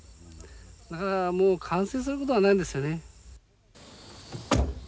だからもう完成することはないんですよね。